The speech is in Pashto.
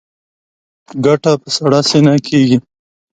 ګټه په سړه سینه کېږي.